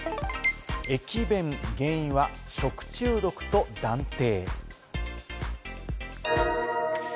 駅弁、原因は食中毒と断定。